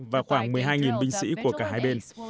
và khoảng một mươi hai binh sĩ của cả hai bên